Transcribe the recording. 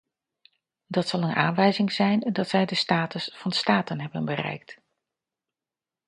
Dat zal een aanwijzing zijn dat zij de status van staten hebben bereikt.